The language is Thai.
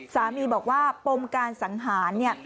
สามีบอกว่าปมการสังหารเนี่ย